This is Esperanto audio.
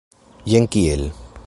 Jen kiel.